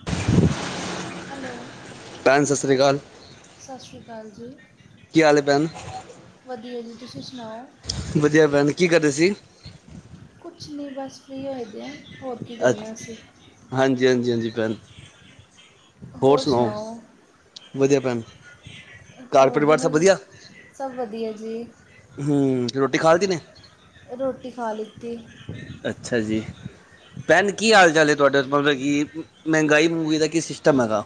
[inaudible] Hello. ਭੈਣ ਸਤਿ ਸ਼੍ਰੀ ਅਕਾਲ, ਸਤਿ ਸ਼੍ਰੀ ਅਕਾਲ ਜੀ ਕੀ ਹਾਲ ਏ ਭੈਣ? ਵਧੀਆ ਜੀ, ਤੁਸੀ ਸੁਣਾਓ? ਵਧੀਆ ਭੈਣ ਕੀ ਕਰਦੇ ਸੀ ਕੁਛ ਨਹੀਂ ਬਸ ਫ੍ਰੀ ਹੋਏ ਦੇ ਆ, ਹੋਰ ਕੀ ਅੱਛ ਕਰਨਾ ਅਸੀਂ। ਹਾਂਜੀ, ਹਾਂਜੀ, ਹਾਂਜੀ। ਭੈਣ ਹੋਰ ਸੁਣਾਓ? ਵਧੀਆ ਭੈਣ ਘਰ ਹੋਰ ਪਰਿਵਾਰ ਡਿਨਰ ਸਭ ਵੀ, ਵਧੀਆ ਸਭ ਵਧੀਆ ਜੀ। ਹੂੰ, ਰੋਟੀ ਖਾ ਲਿਤੀ ਨੇ ਰੋਟੀ ਖਾ ਲਿੱਤੀ। ਅੱਛਾ ਜੀ। ਭੈਣ ਕੀ ਹਾਲ-ਚਾਲ ਹੈ ਤੁਹਾਡਾ, ਮਤਲਬ ਕਿ ਮਹਿੰਗਾਈ ਮਹਗਈ ਦਾ ਕੀ ਸਿਸਟਮ ਹੈਗਾ?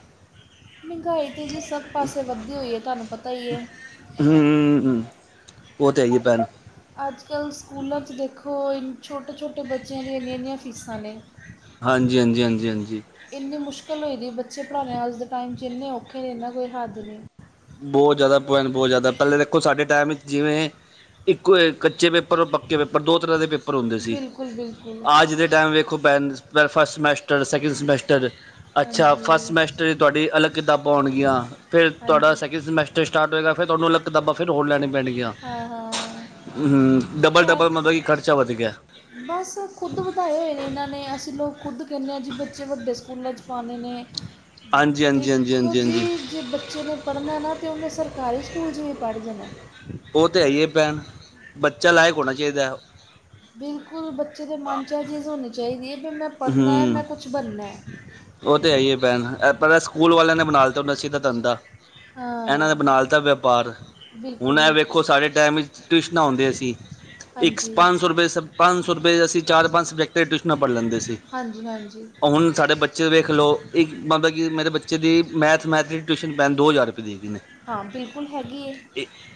ਮਹਿੰਗਾਈ ਤੇ ਜੀ ਸਭ ਪਾਸੇ ਵੱਧਦੀ ਹੋਈ ਹੈ, ਤੁਹਾਨੂੰ ਪਤਾ ਹੀ ਹੈ। ਹੂੰ, ਉਹ ਤੇ ਹੈ ਹੀ ਏ ਭੈਣ। ਅੱਜ-ਕੱਲ੍ਹ ਸਕੂਲਾਂ ਚ ਦੇਖੋ ਛੋਟੇ-ਛੋਟੇ ਬੱਚਿਆਂ ਦੀ ਇੰਨੀਆਂ-ਇੰਨੀਆਂ ਫੀਸਾਂ ਨੇ। ਹਾਂਜੀ, ਹਾਂਜੀ, ਹਾਂਜੀ, ਹਾਂਜੀ। ਇੰਨੀ ਮੁਸ਼ਕਿਲ ਹੋ ਦੀ ਬੱਚੇ ਪੜ੍ਹਾਣੇ ਅੱਜ ਦੇ ਟਾਈਮ ਇੰਨੇ ਔਖੇ ਨੇ ਇੰਨਾ ਕੋ ਹੱਦ ਨਹੀਂ। ਬਹੁਤ ਜ਼ਿਆਦਾ ਭੈਣ ਬਹੁਤ ਜ਼ਿਆਦਾ, ਪਹਿਲਾਂ ਦੇਖੋ, ਸਾਡੇ ਟਾਈਮ ਵਿੱਚ ਜਿਵੇਂ ਇੱਕੋ ਕੱਚੇ ਪੇਪਰ ਔਰ ਪੱਕੇ ਪੇਪਰ ਦੋ ਤਰ੍ਹਾਂ ਦੇ ਪੇਪਰ ਪੇਪਰ ਹੁੰਦੇ ਸੀ, ਬਿਲਕੁਲ ਬਿਲਕੁਲ ਅੱਜ ਦੇ ਟਾਈਮ ਵੇਖੋ ਭੈਣ ਫਸ਼ਟ ਸਮੈਸਟਰ, ਸੈਕਿੰਡ ਸਮੈਸਟਰ ਅੱਛਾ, ਫਸ਼ਟ ਹਾਂਜੀ ਸਮੈਸਟਰ ਤੁਹਾਡੀ ਅਲੱਗ ਕਿਤਾਬਾਂ ਹੋਣਗੀਆਂ, ਫੇਰ ਤੁਹਾਡਾ ਹਾਂਜੀ ਸਮੈਟਰ ਸਟਾਰਟ ਹੋਏਗਾ, ਫੇਰ ਤੁਹਾਨੂੰ ਅਲੱਗ ਕਿਤਾਬਾਂ ਫੇਰ ਹੋਰ ਲੈਣੀਆਂ ਪੈਣਗੀਆਂ। ਹਾਂ ਹਾਂ ਹੂੰ ਹੈ ਡਬਲ-ਡਬਲ ਮਤਲਬ ਕੀ ਖਰਚਾ ਵੱਧ ਗਿਆ। ਬਸ ਖੁਦ ਵਧਾਏ ਹੋਏ ਨੇ ਇਹਨਾਂ ਨੇ, ਅਸੀਂ ਲੋਕ ਖੁਦ ਕਹਿੰਦੇ ਹਾਂ ਜੀ ਬੱਚੇ ਵੱਡੇ ਸਕੂਲਾਂ 'ਚ ਪਾਵਾਣੇ ਨੇ, ਹਾਂਜੀ ਹਾਂਜੀ ਹਾਂਜੀ ਦੇਖੋ ਹਾਂਜੀ ਹਾਂਜੀ ਜੀ ਜੇ ਬੱਚੇ ਨੇ ਪੜ੍ਹਨਾ ਏ ਨਾ ਤੇ ਉਹਨੇ ਸਰਕਾਰੀ ਸਕੂਲ ਚ ਵੀ ਪੜ੍ਹ ਜਾਣਾ। ਉਹ ਤਾਂ ਹੈ ਹੀ ਹੈ ਭੈਣ, ਬੱਚਾ ਲਾਇਕ ਹੋਣਾ ਚਾਹੀਦਾ। ਬਿਲਕੁਲ ਬੱਚੇ ਦੇ ਮਨ 'ਚ ਇਹ ਚੀਜ਼ ਹੋਣੀ ਚਾਹੀਦੀ, ਕਿ ਮੈਂ ਪੜ੍ਹਨਾ ਹੈ ਮੈਂ ਹੂੰ ਕੁਛ ਬਣਨਾ ਹੈ। ਉਹ ਤੇ ਹੈ ਹੀ ਹੈ ਭੈਣ, ਪਹਿਲਾਂ ਸਕੂਲ ਵਾਲਿਆਂ ਨੇ ਬਣਾ ਦਿਤਾ [unintelligible] ਸੀ ਦਾ ਧੰਦਾ। ਇਹਨਾਂ ਨੇ ਹਾਂ ਬਣਾ ਲਿਤਾ ਵਪਾਰ। ਬਿਲਕੁਲ ਹੁਣ ਇਹ ਬਿਲਕੁਲ ਵੇਖੋ ਸਾਡੇ ਟਾਈਮ ਵਿੱਚ ਟਿਊਸ਼ਨਾ ਹੋਣ ਦੀਆਂ ਸੀ। ਇੱਕ ਹਾਂਜੀ ਪੰਜ ਸੌ ਰੁਪਏ ਸ ਪੰਜ ਸੌ ਰੁਪਏ ਅਸੀਂ ਚਾਰ ਪੰਜ ਸਬਜੈਕਟਾਂ ਟਿਊਸ਼ਨਾਂ ਪੜ੍ਹ ਲੈਂਦੇ ਸੀ, ਹਾਂਜੀ ਹਾਂਜੀ ਤਾ ਹੁਣ ਸਾਡੇ ਬਚ ਬੱਚੇ ਵੇਖ ਲਓ ਇੱਕ ਮਤਲਬ ਕਿ ਮੇਰੇ ਬੱਚੇ ਦੀ ਮੈਥ- ਮੈਥ ਦੀ ਟਿਊਸ਼ਨ ਭੈਣ ਦੋ ਹਜ਼ਾਰ ਰੁਪਏ ਦੀ ਹੈਗੀ ਨੇ। ਹਾਂ, ਬਿਲਕੁਲ ਹੈਗੀ ਐ।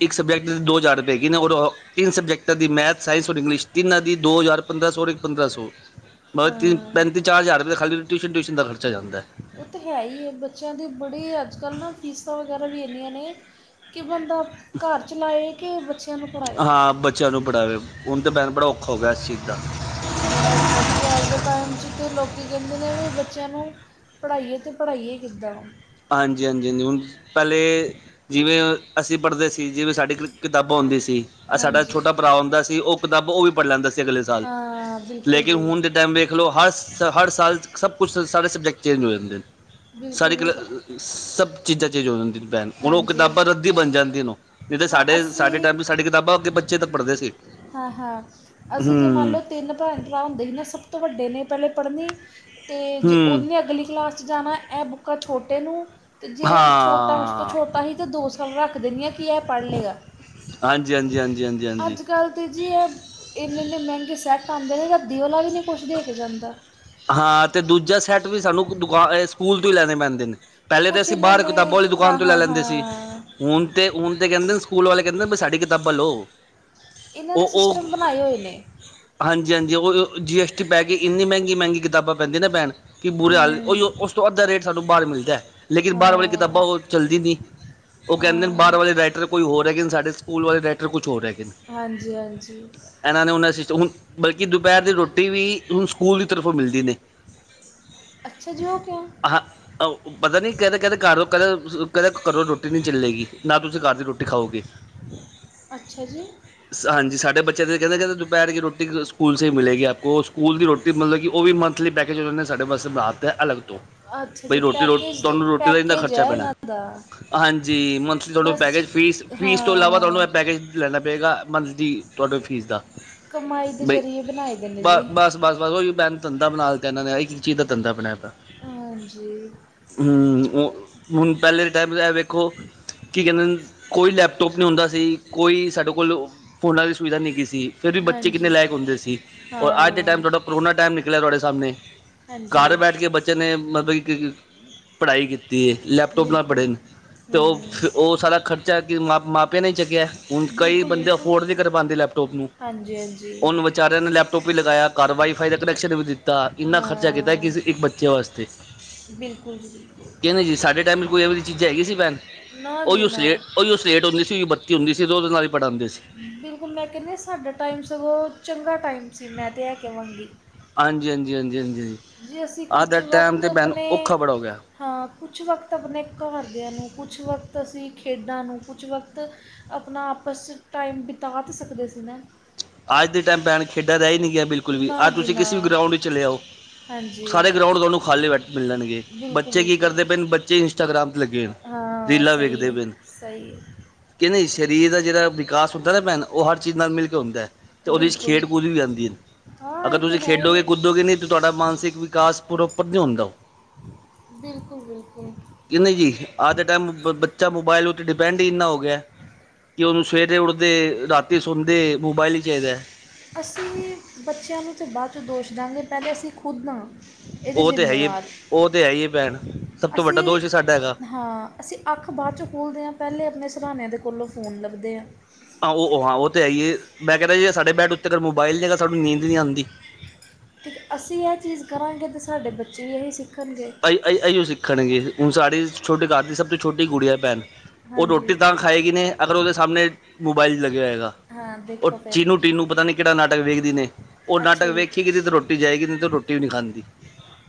ਇੱਕ ਸਬਜੈਕਟ ਦੇ ਦੋ ਹਜ਼ਾਰ ਰੁਪਏ ਦੀ ਹੈਗੀ ਨੇ, ਔਰ ਤਿੰਨ ਸਬਜੈਕਟ ਦੀ ਮੈਥ, ਸਾਇੰਸ ਔਰ ਇੰਗਲਿਸ਼ ਤਿੰਨਾਂ ਦੀ ਦੋ ਹਜ਼ਾਰ ਪੰਦਰਾਂ ਸੌ ਔਰ ਇਕ ਪੰਦਰਾਂ ਸੌ। ਬਸ ਤੀ, ਹਾਂ ਪੈਂਤੀ ਚਾਰ ਹਜ਼ਾਰ ਰੁਪਏ ਖਾਲੀ ਟਿਊਸ਼ਨ, ਟਿਊਸ਼ਨ ਦਾ ਖਰਚਾ ਜਾਂਦਾ। ਉਹ ਤਾਂ ਹੈ ਹੀ ਹੈ, ਬੱਚਿਆਂ ਦੇ ਬੜੇ ਅੱਜ ਕੱਲ੍ਹ ਨਾ ਫੀਸਾਂ ਵਗੈਰਾ ਵੀ ਇੰਨੀਆਂ ਨੇ। ਕਿ ਬੰਦਾ ਘਰ ਚਲਾਏ, ਕਿ ਬੱਚਿਆਂ ਨੂੰ ਪੜ੍ਹਾਏ। ਹਾਂ ਬੱਚਿਆਂ ਨੂੰ ਪੜਾਵੇ ਹੁਣ ਤੇ ਭੈਣ ਬੜਾ ਔਖ ਹੋ ਗਿਆ ਇਸ ਚੀਜ਼ ਦਾ। ਬੜਾ ਔਖਾ ਜੀ ਅੱਜ ਦੇ ਟਾਈਮ ਚ ਅਤੇ ਲੋਕੀ ਕਹਿੰਦੇ ਨੇ ਵੀ ਬੱਚਿਆਂ ਨੂੰ ਪੜ੍ਹਾਈਏ ਤੇ ਪੜ੍ਹਾਈਏ ਕਿੱਦਾਂ। ਹਾਂਜੀ-ਹਾਂਜੀ ਜੀ ਹੁਣ ਪੇਹਲੇ ਜਿਵੇਂ ਅਸੀਂ ਪੜ੍ਹਦੇ ਸੀ ਜਿਵੇਂ ਸਾਡੀ ਕਿਤਾਬਾਂ ਹੂੰਦੀ ਸੀ। ਆ ਸਾਡਾ ਹਾਂਜੀ ਛੋਟਾ ਭਰਾ ਹੁੰਦਾ ਸੀ ਓ ਕਿਤਾਬ ਓ ਵੀ ਪੜ੍ਹ ਲੈਂਦਾ ਸੀ ਅਗਲੇ ਸਾਲ ਹਾਂ ਬਿਲਕੁਲ ਲੇਕਿਨ ਜੀ ਹੁਣ ਦੇ ਟਾਈਮ ਵੇਖ ਲੌ ਹਰ ਹਰ ਸਾਲ ਸਭ ਕੁਛ ਸਾਰੇ ਸਬਜੈਕਟ ਚੇਂਜ ਹੋ ਜਾਂਦੇ ਬਿਲਕੁਲ ਸਾਰੇ ਕਲਾ ਬਿਲਕੁਲ ਸਭ ਚੀਜ਼ਾਂ ਚੇਂਜ ਹੋ ਜਾਂਦੀਆ ਨ। ਪੈਣ ਹੁਣ ਉਹ ਹਾਂਜੀ ਕਿਤਾਬਾਂ ਰੱਦੀ ਬਣ ਜਾਂਦੀਨ ਔ, ਨੀ ਤੇ ਹਾਂ ਸਾਡੇ-ਸਾਡੇ ਅਸੀਂ ਟਾਈਮ ਚ ਸਾਡੀ ਕਿਤਾਬਾਂ ਅੱਗੇ ਬੱਚੇ ਤੱਕ ਪੜ੍ਹਦੇ ਸੀ। ਹਾਂ-ਹਾਂ ਅਸੀਂ ਜੇ ਮੰਨ ਹੂੰ ਲੋ ਤਿੰਨ ਭੇਣ-ਭਰਾ ਹੁੰਦੇ ਸੀ ਨਾ ਸਭ ਤੋਂ ਵੱਡੇ ਨੇ ਪਹਿਲੇ ਪੜਨੀ ਤੇ ਜ ਹੂੰ ਉਹਨੇ ਅਗਲੀ ਕਲਾਸ ਜਾਣਾ ਇਹ ਬੁੱਕਾਂ ਛੋਟੇ ਨੂੰ ਤੇ ਜੇ ਛੋਟਾ ਹਾਂ ਅਹੀ ਤਾਂ ਦੋ ਸਾਲ ਰੱਖ ਦਿੰਨੀ ਐ ਕਿ ਐ ਪੜ੍ਹ ਲਏਗਾ। ਹਾਂਜੀ-ਹਾਂਜੀ, ਹਾਂਜੀ-ਹਾਂਜੀ, ਹਾਂਜੀ। ਤੇ ਜੀ ਏ ਇੰਨੇ-ਇੰਨੇ ਮਹਿੰਗੇ ਸੈੱਟ ਆਂਦੇ ਨੇ ਰੱਦੀ ਵਾਲਾ ਵੀ ਨਈ ਕੁਛ ਦੇ ਕੇ ਜਾਂਦਾ। ਹਾਂ ਤੇ ਦੂਜਾ ਸੈੱਟ ਵੀ ਸਾਨੂੰ ਦੁਕਾਨ ਏ ਸਕੂਲ ਤੋਂ ਹੀ ਲੈਨੇ ਪੈਂਦੇ ਨ। ਪੇਲੇ ਤੇ ਕੁਛ ਅਸੀਂ ਇਹਨਾਂ ਬਾਰ ਨੇ ਕਿਤਾਬਾਂ ਵਾਲੀ ਦੁਕਾਨ ਹਾਂ ਤੋਂ ਲੈ ਹਾਂ ਲੈਂਦੇ ਸੀ। ਹਾਂ ਹੁਨ ਤੇ ਹੁਨ ਤੇ ਕਹਿੰਦੇ ਸਕੂਲ ਵਾਲੇ ਕਹਿੰਦੇ ਬ ਸਾਡੀ ਕਿਤਾਬਾ ਲੋ। ਇਹਨਾਂ ਨੇ ਉਹ-ਉਹ, ਸਿਸਟਮ ਬਣਾਏ ਹੋਏ ਨੇ ਹਾਂਜੀ-ਹਾਂਜੀ ਉਹ ਜੀ ਐਸ ਟੀ ਪੈ ਕੇ ਇੰਨੀ ਮਹਿ ਮਹਿੰਗੀ ਕਿਤਾਬਾਂ ਪੈਂਦੀ ਨਾ ਭੈਣ। ਕਿ ਬੁਰੇ ਹਾਲ, ਹੂੰ ਓਈਔ ਉਸ ਤੋਂ ਅੱਧਾ ਰੇਟ ਸਾਨੂੰ ਬਾਰ ਮਿਲਦਾ ਲੇਕਿਨ ਬਾਰ ਵਾਲੀ ਹਾਂ ਕਿਤਾਬਾਂ ਉਹ ਚੱਲਦੀ ਨੀ। ਉ ਕਹਿੰਦੇ ਨੇ ਹਾਂ ਬਾਰ ਵਾਲੇ ਰਾਇਟਰ ਕੋਈ ਹੋਰ ਹੈਗੇ ਨੇ ਸਾਡੇ ਸਕੂਲ ਵਾਲੇ ਰਾਇਟਰ ਕੁਛ ਹੋਰ ਹੈਗੇ ਨ। ਜੀ ਹਾਂਜੀ। ਏਨਾਂ ਨੇ ਹੁਨ [unintelligible] ਬਲਕਿ ਦੁਪਹਿਰ ਦੀ ਰੋਟੀ ਵੀ ਹੁਣ ਸਕੂਲ ਦੀ ਤਰਫੋਂ ਮਿਲਦੀ ਨੇ। ਅੱਛਾ ਜੀ ਔ ਕਿਔ। ਓ ਪਤਾ ਨੀ ਕਹਿੰਦੇ-ਕਹਿੰਦੇ ਘਰੋਂ ਕਹਦੇ, ਕਹਦੇ ਘਰੋਂ ਰੋਟੀ ਨੀ ਚੱਲੇਗੀ ਨਾ ਤੁਸੀਂ ਘਰ ਦੀ ਰੋਟੀ ਖਾਓਗੇ। ਅੱਛਾ ਜੀ। ਹਾਂਜੀ ਸਾਡੇ ਬੱਚੇ ਦੇ ਕਹਿੰਦੇ ਕਹਦੇ ਦੁਪਹਿਰ ਦੀ ਰੋਟੀ ਸਕੂਲ ਸ ਹੀ ਮਿਲੇਗੀ ਆਪ ਕੋ ਉਹ ਸਕੂਲ ਦੀ ਰੋ ਤੇ ਮਤਲਬ ਕੀ ਉਹ ਵੀ ਮੰਥਲੀ ਪੈਕਜ ਉਹਨਾ ਨੇ ਸਾਡੇ ਵਾਸੇ ਬਨਾ ਤੇ ਅਲੱਗ ਤੋਂ, ਅੱਛਾ ਬਈ ਜੀ ਰੋਟੀ ਰੋ ਪੈਕੇਜ ਤੁਹਾਨੂੰ ਰੋਟੀ ਦਾ ਇੰਨਾ ਪੈਕੇਜ ਖਰਚਾ ਹੈ ਪੈਣਾ। ਇਹਨਾਂ ਦਾ ਹਾਂਜੀ, ਮੰਥਲੀ ਤੁਹਾਨੂੰ ਬਸ ਜੀ ਪੈਕੇਜ ਫੀਸ-ਫੀਸ ਤੋਂ ਇਲਾਵਾ ਤੁਹਾਨੂੰ ਹਾਂ ਏ ਪੈਕੇਜ ਲੈਣਾ ਪਏਗਾ ਮੰਥਲੀ ਤੁਹਾਡੇ ਫੀਸ ਦਾ। ਕਮਾਈ ਦੇ ਬਈ ਜ਼ਰੀਏ ਬਨਾਏ ਦੇ ਨੇ ਬ ਜੀ। ਬਸ ਬਸ ਉਹੀ ਬੈ ਧੰਦਾ ਬਣਾ ਦਿੱਤਾ ਇਹਨਾਂ ਨੇ ਇੱਕ ਚੀਜ਼ ਦਾ ਧੰਦਾ ਬਣਾਇਆ ਦਾ। ਹਾਂਜੀ ਹੂੰ ਉਹ ਹੁਣ ਪਹਿਲੇ ਦੇ ਟਾਈਮ ਇਹ ਵੇਖੋ ਕੀ ਕਹਿੰਦੇ ਨ ਕੋਈ ਲੈਪਟੋਪ ਨੀ ਹੁੰਦਾ ਸੀ ਕੋਈ ਸਾਡੇ ਕੋਲ ਫੋਨਾਂ ਦੀ ਸੁਵਿਧਾ ਨੀ ਹੇਗੀ ਸੀ। ਸੀ ਫਿਰ ਵੀ ਬੱਚੇ ਕਿੰਨੇ ਹਾਂਜੀ ਲਾਇਕ ਹੁੰਦੇ ਸੀ ਔਰ ਅੱਜ ਦੇ ਟੇਮ ਹਾਂ ਤੁਹਾਡਾ ਕਰੋਨਾ ਟੇਮ ਨਿਕਲਿਆ ਤੁਹਾਡੇ ਸਾਮਣੇ ਘਰ ਹਾਂਜੀ ਬੈਠ ਕੇ ਬੱਚੇ ਨੇ ਮਤਲਬ ਕਿ ਪੜ੍ਹਾਈ ਕੀਤੀ ਏ ਲੈਪਟੋਪ ਨਾਲ ਬਿਲਕੁਲ ਪੜੇ ਨੇ। ਤੇ ਹੂੰ ਓ ਫ ਓ ਸਾਰਾ ਖਰਚਾ ਕਿ ਮ ਮਾਪਿਆਂ ਨੇ ਹੀ ਚੱਕਿਆ ਹੁਣ ਕਈ ਬੰਦੇ ਅਫੋਡ ਨੀ ਕਰ ਪਾਂਦੇ ਲੈਪਟੋਪ ਨੂੰ। ਹਾਂਜੀ-ਹਾਂਜੀ ਉਹਨੂੰ ਵਿਚਾਰਿਆਂ ਨੇ ਲੈਪਟੋਪ ਵੀ ਲਗਾਇਆ ਕਾਰ ਵਾਈਫਾਈ ਦਾ ਕਨੈਕਸ਼ਨ ਵੀ ਦਿੱ ਤਾਂ ਇੰਨਾ ਖਰਚਾ ਕੀਤਾ ਹਾਂ ਕਿ ਸੀ ਇੱਕ ਬੱਚੇ ਵਾਸਤੇ। ਬਿਲਕੁਲ ਜੀ ਬਿਲਕੁਲ ਕਹਿੰਦੇ ਜੀ ਸਾਡੇ ਟਾਈਮ ਚ ਕੋਈ ਐਵੇ ਚੀਜ਼ਾਂ ਹੈਗੀ ਸੀ ਭੇਨ ਨਾ ਉਹੀ ਜੀ ਉਸ ਨਾ ਉਹਹੀ ਉਹ ਸਲੇਟ ਹੁੰਦੀ ਸੀ ਬੱਤੀ ਹੁੰਦੀ ਸੀ ਉਹਦੇ ਨਾਲ ਹੀ ਪੜ੍ਹਾਂਦੇ ਸੀ। ਬਿਲਕੁਲ ਮੈਂ ਕਹਿੰਦੀ ਸਾਡਾ ਟਾਈਮ ਸਗੋਂ ਚੰਗਾ ਟਾਈਮ ਸੀ ਮੈਂ ਤਾਂ ਇਹ ਕਵਾਂਗੀ। ਹਾਂਜੀ-ਹਾਂਜੀ- ਹਾਂਜੀ- ਹਾਂਜੀ ਅਸੀਂ ਹਾਂ ਅੱਜ ਕੁਛ ਦਾ ਟਾਈਮ ਵਕਤ 'ਤੇ ਭੈਣੂੰ ਆਪਣੇ ਔਖਾ ਬੜ ਹੋ ਗਿਆ। ਹਾਂ, ਕੁਝ ਵਕਤ ਆਪਣੇ ਘਰਦਿਆਂ ਨੂੰ ਕੁਝ ਵਕਤ ਅਸੀਂ ਖੇਡਾਂ ਨੂੰ ਕੁਝ ਵਕਤ ਆਪਣਾ ਆਪਸ 'ਚ ਟਾਈਮ ਬਿਤਾ ਤਾਂ ਸਕਦੇ ਸੀ ਨਾ। ਅੱਜ ਦੇ ਟਾਈਮ ਭੈਣ ਖੇਡਾਂ ਰਹਿ ਹੀ ਨੀ ਗਿਆ ਬਿਲਕੁਲ ਵੀ ਨਾ ਆੱਜ ਜੀ ਤੁਸੀਂ ਨਾ ਕਿਸੇ ਵੀ ਗਰਾਊਂਡ ਵਿੱਚ ਚ ਲਿਆਓ ਹਾਂਜੀ ਸਾਰੇ ਗਰਾਊਂਡ ਤੁਹਾਨੂੰ ਖਾਲੇ ਬੈ ਮਿਲਣਗੇ ਬਿਲਕੁਲ ਬੱਚੇ ਕੀ ਕਰਦੇ ਪਏ ਬਿਲਕੁਲ ਨੇ ਬੱਚੇ ਇੰਸਟਾਗ੍ਰਾਮ 'ਤੇ ਲੱਗੇ ਹੋਣ ਹਾਂ, ਸਹੀ ਹੈ ਸਹੀ ਹੈ। ਕਹਿੰਦੇ ਸਰੀਰ ਦਾ ਜਿਹੜਾ ਵਿਕਾਸ ਹੁੰਦਾ ਨਾ ਭੈਣ ਉਹ ਹਰ ਚੀਜ਼ ਨਾਲ ਮਿਲ ਕੇ ਹੁੰਦਾ ਹੈ। ਤੇ ਉਹਦੇ 'ਚ ਬਿਲਕੁਲ ਖੇਡ ਕੂਦ ਵੀ ਆਉਦੀ ਹੈ। ਹਾਂ ਅਗਰ ਇਹ ਤਾਂ ਤੁਸੀਂ ਹੈ ਖੇਡੋਗੇ ਹੀ ਹੈ ਕੁਦੋਗੇ ਨਹੀਂ ਤਾਂ ਤੁਹਾਡਾ ਮਾਨਸਿਕ ਵਿਕਾਸ ਪ੍ਰੋਪਰ ਨੂੰ ਹੁੰਦਾ। ਬਿਲਕੁਲ- ਬਿਲਕੁਲ। ਕਿਹਿੰ ਜੀ ਅੱਜ ਦਾ ਟਮ ਬੱਚਾ ਮੋਬਾਇਲ ਉੱਤੇ ਡਿਪੈਂਡ ਹੀ ਇੰਨਾ ਹੋ ਗਿਆ। ਕਿ ਉਹਨੂੰ ਸਵੇਰੇ ਉੱਠਦੇ ਰਾਤੀ ਸਣਦੇ ਮੋਬਾਇਲ ਹੀ ਚਾਹੀਦਾ ਐ। ਅਸੀਂ ਬੱਚਿਆਂ ਨੂੰ ਤਾਂ ਬਾਅਦ 'ਚ ਦੋਸ਼ ਦਵਾਂਗੇ ਪਹਿਲੇ ਅਸੀਂ ਖੁਦ ਹਾ। ਇਹਦੇ ਉਹ ਤੇ ਹੈ ਹੀ ਜ਼ਿੰਮੇਵਾਰ ਉਹ ਤੇ ਹੈ ਹੀ ਭੈਣ ਸਭ ਤੋਂ ਅਸੀਂ ਵੱਡਾ ਦੋਸ਼ ਹੀ ਸਾਡਾ ਹੈਗਾ ਹਾਂ ਅਸੀਂ ਅੱਖ ਬਾਅਦ 'ਚੋਂ ਖੋਲ੍ਹਦੇ ਹਾਂ ਪਹਿਲੇ ਆਪਣੇ ਸਰਾਹਣੇ ਕੋਲੋਂ ਫੋਨ ਲੱਭਦੇ ਆ। ਆਹੋ ਹਾਂ ਉਹ ਤਾਂ ਹੈ ਹੀਏ ਮੈਂ ਕਹਿ ਜੇ ਸਾਡੇ ਬੈਡ ਉੱਤੇ ਅਗਰ ਮੋਬਾਈਲ ਨਹੀ ਨੀਦ ਨਹੀਂ ਆਂਦੀ। ਅਤੇ ਠੀਕ ਅਸੀਂ ਇਹ ਚੀਜ਼ ਕਰਾਂਗੇ ਅਤੇ ਸਾਡੇ ਬੱਚੇ ਵੀ ਇਹੀ ਸਿੱਖਣਗੇ। ਅਹੀਂ ਸਿੱਖਣਗੇ, ਹੁਣ ਸਾਡੇ ਛੋਟੇ ਘ ਦੀ ਸਭ ਤੋਂ ਛੋਟੀ ਕੁੜੀ ਹੈ ਭੈਣ ਉਹ ਰੋਟੀ ਹਾਂਜੀ ਤਾਂ ਖਾਏਗੀ ਨਹੀਂ ਅਗਰ ਉਹਦੇ ਸਾਹਮਣੇ ਮੋਬਾਇਲ ਲੱਗਿਆ ਹੋਏਗਾ। ਹਾਂ ਉਹ ਦੇਖੋ ਫਿਰ ਚੀਨੂੰ ਟਟੀਨੂੰ ਪਤਾ ਨੀ ਕਿਹੜਾ ਨਾਟਕ ਵੇਖਦੀ ਨੇ। ਉਹ ਨਾਟਕ ਅੱਛਾ ਜੀ ਵੇਖੀਗੀ ਤੇ ਰੋਟੀ ਜਾਏਗੀ ਨਹੀਂ ਤੇ ਉਹ ਰੋਟੀ ਵੀ ਨੀ ਖਾਂਦੀ।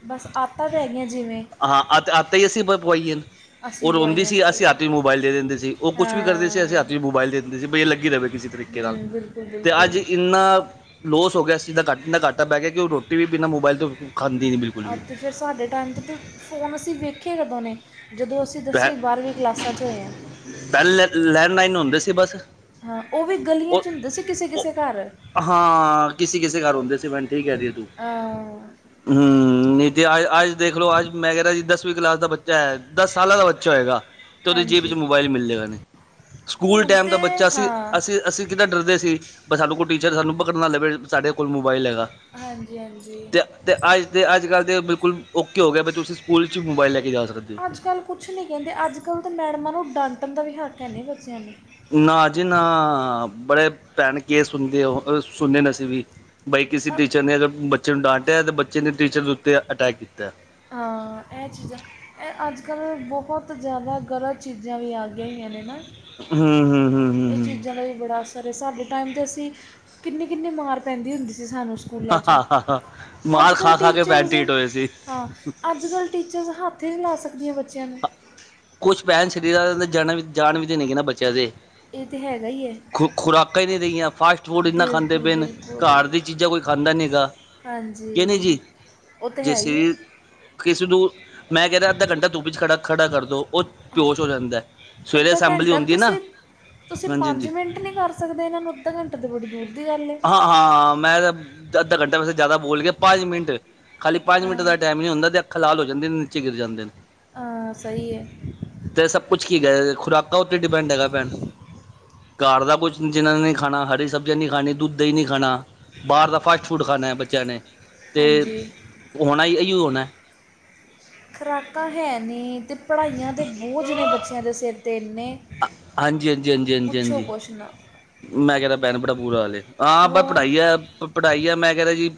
ਬਸ ਆਤਾਂ ਰਹਿ ਗਈਆਂ ਜਿਵੇਂ। ਹਾਂ ਅੱ ਹੀ ਅਸੀਂ ਪਵਾਈਏ। ਉਹ ਅਸੀਂ ਰੋਂਿੰਦੀ ਪਵਾਈਆਂ ਸੀ ਅਸੀਂ ਸਹੀ ਹਾਤ ਮੋਬਾਇਲ ਦੇਂਦੇ ਸੀ ਉਹ ਕੁਛ ਵੀ ਕਰਦੇ ਸੀ ਅਸੀ ਹਾਂ ਹਾਤ ਮੋਬਾਇਲ ਦੇ ਦਿੰਦੇ ਸੀ ਵੀਈ ਇਹ ਲੱਗੀ ਰਹੇ ਕਿਸੇ ਤਰੀਕੇ ਨਲ ਹੂੰ ਬਿਲਕੁਲ ਤੇ ਬਿਲਕੁਲ ਅੱਜ ਇੰਨਾ ਲੋਸ ਹੋ ਗਿਆ ਇਸ ਚਜ਼ ਦਾ ਘੱਟ ਦਾ ਘਟ ਪੈ ਗਿਆ ਕਿ ਉਹ ਰੋਟੀ ਵੀ ਬਿਨਾਂ ਮੋਬਾਈਲ ਤੋਂ ਖਾਂਦੀ ਨੀ ਬਿਲਕੁਲ ਵੀ। ਅੱਜ ਤੇ ਫਿਰ ਸਾਡੇ ਟਾਈਮ 'ਤੇ ਤਾਂ ਫੋਨ ਅਸੀਂ ਵੇਖੇ ਕਦੋਂ ਨੇ। ਜਦੋਂ ਅਸੀਂ ਪਹਿ ਦਸਵੀ ਬਾਰਵੀਂ ਕਲਾਸਾਂ 'ਚ ਹੋਏ ਐ। ਪਹਿਲੇ ਲੈਂਡਲਾਈਨ ਹੁੰਦੇ ਸੀ ਬਸ ਹਾਂ ਉਹ ਵੀ ਗਲੀਆਂ ਚ ਉਹ ਹੁੰਦੇ ਸੀ ਕਿਸੇ ਉਹ -ਕਿਸੇ ਘਰ। ਹਾਂ, ਕਿਸੇ-ਕਿਸੇ ਘਰ ਹੁੰਦੇ ਸੀ ਭੈਣ ਠੀ ਕਹਿਦੀ ਤੂੰ। ਹਾਂ, ਹਮ ਨ ਤੇ ਅ ਅੱਜ ਦੇਖਲੋ ਅੱਜ ਮੈਂ ਕਹਿ ਜੀ ਦਸਵੀਂ ਕਲਾਸ ਦਾ ਬੱਚਾ ਐ ਸਾਲਾਂ ਦਾ ਬੱਚਾ ਹੋਏਗਾ ਤੇ ਉਹਦੇ ਜੇਬ ਚ ਹਾਂਜੀ ਮੋਬਾਇਲ ਮਿਲਲੇਗਾ ਨੀ। ਸਕੂਲ ਹੁਣ ਟਾਈਮ ਦਾ ਤੇ ਬੱਚਾ ਹਾਂ ਅਸੀਂ- ਅਸੀਂ ਕਿਦਾਂ ਡਰਦੇ ਸੀ ਬ ਸਾਨੂੰ ਕੋਈ ਟੀਚਰ ਸਾਨੂੰ ਪਕੜਨਾ ਲਵੇ ਸਾਡੇ ਸਾਡੇ ਕੋਲ ਮੋਬਾਈਲ ਹੈਗਾ ਹਾਂਜੀ ਹਾਂਜੀ ਤੇ ਤੇ ਅੱਜ ਦੇ ਅੱਜ -ਕੱਲ੍ਹ ਦੇ ਬਿਲਕੁਲ ਓਕੇ ਹੋ ਗਿਆ ਤੁਸੀਂ ਸਕੂਲ ' ਹੀ ਮੋਬਾਈਲ ਲੈ ਕੇ ਜਾ ਸਕਦੇ ਹੋ। ਕੁਝ ਨਹੀਂ ਕਹਿੰਦੇ ਅੱਜ- ਕੱਲ੍ਹ ਤਾਂ ਮੈਡਮਾਂ ਨੂੰ ਡਾਂਟਣ ਦਾ ਵੀ ਹੱਕ ਹੈ ਨਹੀਂ ਬੱਚਿਆਂ ਨੂੰ। ਨਾ ਜੀ ਨਾ ਬੜੇ ਭੈਣ ਕਿ ਸੁਣਦੇ ਉਹ ਸੁਣਦੇ ਅਸੀਂ ਵੀ ਬਾਈ ਕਿਸੇ ਟੀਚਰ ਨੇ ਬੱਚੇ ਨੂੰ ਡਾਂਟਿਆ ਤੇ ਬੱਚੇ ਨੇ ਟੀਚਰ ਦੇ ਉੱਤੇ ਅਟੈਕ ਕੀਤਾ ਐ। ਹਾਂ ਇਹ ਚੀਜ਼ਾਂ ਇਹ ਅੱਜ -ਕੱਲ੍ਹ ਬਹੁਤ ਜ਼ਿਆਦਾ ਗਲਤ ਚੀਜ਼ਾਂ ਵੀ ਆ ਗਈ ਹੋਈਆਂ ਨੇ ਨਾ। ਹੂੰ ਹੂੰ ਹੂੰ ਹੂੰ ਇਹ ਹੂੰ ਚੀਜਾਂ ਜਦਾ ਵੀ ਬੜਾ ਅਸਰ ਸਾਡੇ ਟਾਈਮ ਤਾਂ ਅਸੀਂ ਕਿੰਨੀ ਕਿੰਨੀ ਮਾਰ ਪੈਂਦੀ ਹੁੰਦੀ ਸੀ ਸਾਨੂੰ ਸਕੂਲਾਂ ਚੋਂ, ਹਾਂ ਅੱਜ ਮਾਰ ਕੱਲ ਖਾ ਖਾ ਕੇ ਟੀਚਰਸ ਪੈਂਟੀਟ ਹੋਏ ਸੀ ਹਾਂ ਅੱਜ ਕੱਲ੍ਹ ਟੀਚਰਸ ਹੱਥ ਈ ਨੀ ਲਾ ਸਕਦੀਆਂ ਬੱਚਿਆਂ ਨੂੰ ਕੁਛ ਭੈਣ ਸਰੀਰ ਜਾਨ ਵੀ ਦੇ ਨੇ ਕਿ ਨਾ ਬੱਚਿਆਂ ਦੇ ਇਹ ਤਾਂ ਹੈਗਾ ਹੀ ਹੈ ਖੁਰਾਕਾਂ ਈ ਨੀ ਰਹੀਆਂ ਫਾਸਟ ਫੂਡ ਇੰਨਾ ਖਾਂਦੇ ਬਿਲਕੁਲ ਪਏ ਨੇ ਘਰ ਬਿਲਕੁਲ ਦੀ ਚੀਜ਼ਾਂ ਕੋਈ ਖਾਂਦਾ ਨੀ ਹੈਗਾ। ਕਿ ਨਹੀਂ ਹਾਂਜੀ ਜੀ ਉਹ ਤਾਂ ਜੇ ਹੈ ਈ ਐ। ਸਰੀਰ ਕਿਸੇ ਨੂੰ ਮੈਂ ਕਹਿ ਰਿਆ ਅੱਧਾ ਘੰਟਾ ਧੁੱਪੀ ਚ ਖੜਾ ਖੜਾ ਕਰਦੋ ਉਹ ਬੇਹੋਸ਼ ਹੋ ਜਾਂਦਾ। ਸਵੇਰੇ ਅੱਧਾ ਅਸੈਂਬਲੀ ਘੰਟਾ ਹੁੰਦੀ ਹੈ ਨਾ ਤੁਸੀਂ, ਤੁਸੀਂ ਹਾਂਜੀ ਪੰਜ ਹਾਂਜੀ ਮਿੰਟ ਨੀ ਖੜ ਸਕਦੇ ਸਕਦੇ ਇਹਨਾ ਨੂੰ ਅੱਧਾ ਘੰਟੇ ਤੇ ਬੜੀ ਦੂਰ ਦੀ ਗੱਲ ਐ। ਹਾਂ ਹਾਂ ਮੈਂ ਤਾਂ ਅੱਧਾ ਘੰਟਾ ਵੈਸੇ ਜ਼ਿਆਦਾ ਬੋਲ ਗਿਆ ਪੰਜ ਮਿੰਟ ਖਾਲੀ ਪੰਜ ਮਿੰਟ ਹਾਂ ਦਾ ਟਾਈਮ ਨੀ ਹੁੰਦਾ ਤੇ ਅੱਖਾਂ ਲਾਲ ਹੋ ਜਾਂਦੇ ਨੀਚੇ ਗਿਰ ਜਾਂਦੇ ਨੇ। ਹਾਂ ਸਹੀ ਐ। ਤੇ ਸਭ ਕੁਛ ਕੀ ਗਿਆ ਖੁਰਾਕ ਉੱਤੇ ਡਿਪੈਂਡ ਹੈਗਾ ਭੈਣ। ਘਰ ਦਾ ਕੁਝ ਜਿਹਨਾਂ ਨੇ ਖਾਣਾ ਹਰੀ ਸਬਜ਼ੀਆਂ ਨੀ ਖਾਣੀ ਦੁੱਧ ਦਈ ਨੀ ਖਾਣਾ, ਬਾਰ ਦਾ ਫਾਸਟਫੂਡ ਖਾਣਾ ਬੱਚਿਆਂ ਨੇ ਅਤੇ ਹਾਂਜੀ ਹੋਣਾ ਐਈਓ ਹੋਣਾ। ਖੁਰਾਕਾਂ ਹੈ ਨੀ ਅਤੇ ਪੜ੍ਹਾਈਆਂ ਤਾਂ ਬੋਝ ਨੇ ਬੱਚਿਆਂ ਦੇ ਸਿਰ 'ਤੇ ਇੰਨੇ ਹਾਂਜੀ-ਹਾਂਜੀ-ਹਾਂਜੀ-ਹਾਂਜੀ-ਹਾਂਜੀ। ਪਿਛਲਾ ਮੈਂ ਕਹਿੰਦਾ ਭੈਣ ਬੜਾ ਬੁਰਾ ਹਾਲ ਐ ਪਰ ਹਾਂ ਪੜ੍ਹਾਈ ਆ ਪੜ੍ਹਾਈ ਆ ਮੈਂ ਕਹਿੰਦਾ ਜੀ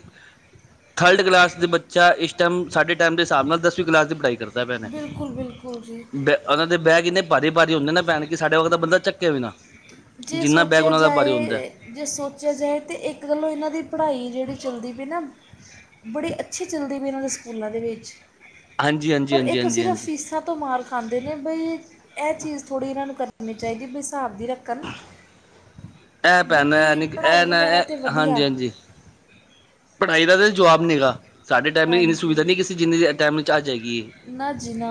ਥਰਡ ਕਲਾਸ ਦੇ ਬੱਚਾ ਇਸ ਟਾਈਮ ਸਾਡੇ ਟਾਈਮ ਦੇ ਹਿਸਾਬ ਨਾਲ ਦਸਵੀਂ ਕਲਾਸ ਦੀ ਪੜ੍ਹਾਈ ਕਰ ਕਰਦੇ ਪਏ ਬਿਲਕੁਲ ਬਿਲਕੁਲ ਜੀ ਨੇ ਉਹਨਾਂ ਦੇ ਬੈਗ ਇੰਨੇ ਭਾਰੀ ਭਾਰੀ ਹੁੰਦੇ ਨਾ ਭੈਣ ਕਿ ਸਾਡੇ ਵਕਤ ਤਾਂ ਬੰਦਾ ਚੱਕੇ ਵੀ ਨਾ। ਜੇ ਜਿੰਨਾ ਬੈਗ ਸੋਚਿਆ ਉਹਨਾਂ ਦਾ ਭਾਰੀ ਹੁੰਦਾ ਜਾਏ ਜੇ ਸੋਚਿਆ ਜਾਏ ਤਾਂ ਇੱਕ ਗੱਲੋਂ ਇਹਨਾਂ ਦੀ ਪੜ੍ਹਾਈ ਜਿਹੜੀ ਚੱਲਦੀ ਪਈ ਨਾ ਬੜੀ ਅੱਛੀ ਚੱਲਦੀ ਪਈ ਇਹਨਾਂ ਦੇ ਸਕੂਲਾਂ ਦੇ ਵਿੱਚ। ਹਾਂਜੀ ਹਾਂਜੀ ਪਰ ਹਾਂਜੀ ਇੱਕ ਹਾਂਜੀ ਸਿਰਫ ਹਾਂਜੀ ਫੀਸਾਂ ਤੋਂ ਮਾਰ ਖਾਂਦੇ ਨੇ। ਖਾਂਦੇ ਨੇ ਬਈ ਇਹ ਚੀਜ਼ ਥੋੜ੍ਹੀ ਇਹਨਾਂ ਨੂੰ ਕਰਨੀ ਚਾਹੀਦੀ ਵੀ ਕਿ ਹਿਸਾਬ ਦੀ ਰੱਖਣ। ਇਹ ਭੈਣ ਐ ਬਾਕੀ ਨੀ ਪੜ੍ਹਾਈ ਇਹ ਨਾ ਵਗੈਰਾ ਤਾਂ ਵਧੀਆ ਹਾਂਜੀ ਹਾਂਜੀ। ਪੜ੍ਹਾਈ ਦਾ ਤਾਂ ਜਵਾਬ ਨੀ ਹੈਗਾ, ਸਾਡੇ ਟਾਈਮ ਇੰਨੀ ਸੁਵਿਧਾ ਹਾਂਜੀ ਨਹੀਂ ਸੀ ਜਿੰਨੀ ਟਾਈਮ ਵਿੱਚ ਚ [unintelligible] ਹੈਗੀ ਐ। ਨਾ ਜੀ ਨਾ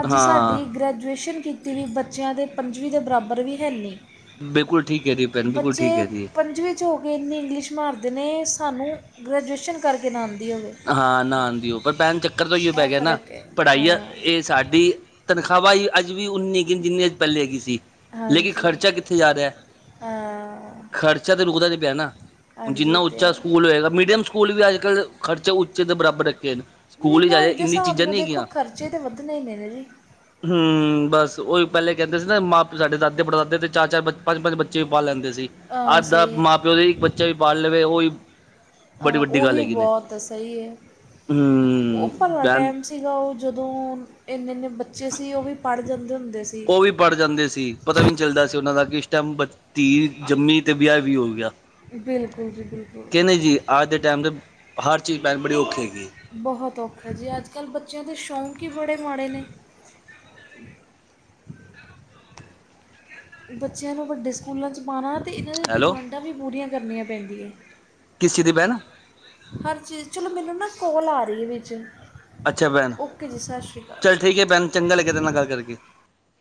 ਅੱਜ ਸਾਡੀ ਗ੍ਰੈਜੂਏਸ਼ਨ ਕੀਤੀ ਤੇ ਬੱਚਿਆਂ ਦੇ ਪੰਜਵੀਂ ਦੇ ਬਰਾਬਰ ਵੀ ਹੈਨੀ। ਬਿਲਕੁਲ ਠੀਕ ਕਹਿ ਰੀ ਐ ਭੈਣ ਬਿਲਕੁਲ ਠੀਕ ਹੈ ਜੀ। ਪੰਜਵੀਂ ਹੋ ਕੇ ਇੰਨੀ ਇੰਗਲਿਸ਼ ਮਾਰਦੇ ਨੇ ਸਾਨੂੰ ਗ੍ਰੈਜੂਏਸ਼ਨ ਕਰਕੇ ਨਾ ਆਦੀ ਹੋਵੇ। ਹਾਂ ਨਾ ਆਦੀ ਹੋਏ ਪਰ ਭੈਣ ਚੱਕਰ ਤਾਂਈਓ ਪੈ ਇਹ ਗਿਆ ਨਾ ਫਰਕ ਹੈ ਪੜ੍ਹਾਈ ਇਹ ਹਾਂ ਤੇ ਸਾਡੀ ਤਨਖਾਹ ਅੱਜ ਵੀ ਉਨੀ ਐ ਜਿੰਨੀ ਅੱਜ ਪਹਿਲੇ ਹੈਗੀ ਸੀ। ਲੇਕਿਨ ਹਾਂਜੀ ਖਰਚਾ ਕਿੱਥੇ ਜਾ ਰਿਹਾ। ਹਾਂ ਖਰਚਾ ਤਾਂ ਰੁਕਦਾ ਨੀ ਨਾ ਪਿਆ ਨਾ ਹੁਣ ਹਾਂਜੀ ਜਿੰਨਾ ਅਤੇ ਉੱਚਾ ਸਕੂਲ ਹੋਏਗਾ ਮੀਡੀਅਮ ਸਕੂਲ ਸਕੂਲ ਵੀ ਅੱਜ ਕੱਲ੍ਹ ਖਰਚੇ ਉੱਚੇ ਦੇ ਬਰਾਬਰ ਰੱਖੇ ਨੇ ਸਕੂਲ ਹੀ ਜਾ ਮਹਿੰਗਾਈ ਦੇ ਇੰਨੀ ਹਿਸਾਬ ਚੀਜ਼ਾਂ ਨਾਲ ਨਹੀਂ ਦੇਖੋ ਹੈਗੀਆਂ ਖਰਚੇ ਤਾਂ ਵੱਧਣੇ ਨੇ ਜੀ। ਹੂੰ ਬਸ ਉਹੀ ਪਹਿਲੇ ਕਹਿੰਦੇ ਸੀ ਨਾ ਮਾਪੇ ਸਾਡੇ ਦਾਦੇ ਪੜਦਾਦੇ ਤੇ ਚਾਰ-ਚਾਰ ਪੰਜ-ਪੰਜ ਬੱਚੇ ਵੀ ਪਾਲ ਲੈਂਦੇ ਸੀ ਅ ਅੱਜ ਦਾ ਸਹੀ ਮਾਂ ਪਿਓ ਦੇ ਇੱਕ ਬੱਚੇ ਬੱਚੇ ਵੀ ਪਾਲ ਲਵੇ ਓਹ ਈ ਅ ਉਹੀ ਬਹੁਤ ਸਹੀ ਐ, ਉਹ ਹੂੰ ਭਲਾ ਅ ਭੈਣ ਟੈਮ ਸ ਸੀਗਾ ਓਹ ਜਦੋਂ, ਇੰਨੇ- ਇੰਨੇ ਬੱਚੇ ਸੀ, ਉਹ ਵੀ ਪੜ੍ਹ ਜਾਂਦੇ ਹੁੰਦੇ ਸੀ। ਓਹ ਵੀ ਪੜ੍ਹ ਜਾਂਦੇ ਸੀ, ਪਤਾ ਵੀ ਨਹੀਂ ਚੱਲਦਾ ਸੀ ਉਹਨਾਂ ਦਾ, ਕਿ ਇਸ ਟਾਈਮ ਧੀ ਜੰਮੀ, ਤੇ ਵਿਆਹ ਵੀ ਹੋ ਗਿਆ। ਬਿਲਕੁਲ ਜੀ ਬਿਲਕੁਲ। ਕੇ ਨਹੀਂ ਜੀ, ਅੱਜ ਦੇ ਟਾਈਮ ਹਰ ਚੀਜ, [unintelligible] ਬੜੀ ਔਖੀ ਹੈਗੀ ਏ। ਬਹੁਤ ਔਖਾ ਜੀ, ਅੱਜ ਕੱਲ੍ਹ ਬੱਚਿਆਂ ਦੇ ਸ਼ੌਂਕ ਹੀ ਬੜੇ ਮਾੜੇ ਨੇ। ਬੱਚਿਆਂ ਨੂੰ ਵੱਡੇ ਸਕੂਲਾਂ 'ਚ ਪਾਉਣਾ, ਤੇ ਇਹਨਾਂ ਦੀ ਹੈਲੋ ਡਿਮਾਂਡਾਂ ਵੀ ਪੂਰੀਆਂ ਕਰਨੀਆਂ ਪੈਂਦੀਆਂ। ਕਿਸ ਦੀ ਮੈਂ ਨਾ ਹਰ ਚੀਜ਼, ਚਲੋ ਮੈਨੂੰ ਨਾ ਕੋਲ ਆ ਰਹੀ ਹੈ ਵਿੱਚ ਅੱਛਾ ਭੈਣ, ਓਕੇ ਜੀ ਸਤਿ ਸ਼੍ਰੀ ਅਕਾਲ ਚੱਲ ਠੀਕ ਹੈ ਭੈਣ, ਚੰਗਾ ਲੱਗਿਆ ਤੇਰੇ ਨਾਲ ਗੱਲ ਕਰਕੇ।